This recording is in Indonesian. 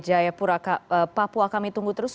jayapura papua kami tunggu terus